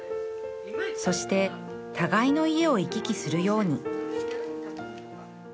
そして互いの家を行き来するように